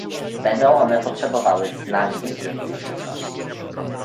Będą one potrzebowały znacznie więcej żywności